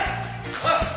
おい！